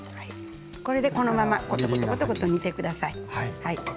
これでこのままコトコトコトコト煮て下さい。